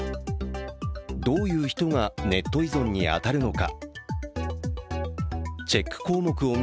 どういう人がネット依存に当たるのか。